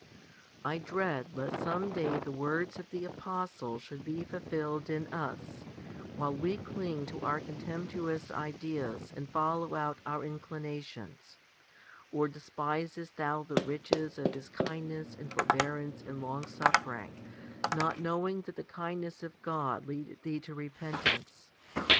19. I dread lest some day the words of the apostle should be fulfilled in us, while we cling to our contemptuous ideas and follow out our inclinations, Or despisest thou the riches of His kindness and forbearance and longsuffering, not knowing that the kindness of God leadeth thee to repentance?